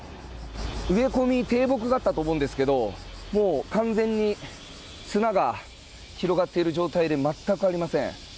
植え込み、低木があったと思うんですけど完全に砂が広がっている状態で全くありません。